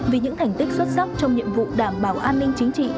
vì những thành tích xuất sắc trong nhiệm vụ đảm bảo an ninh chính trị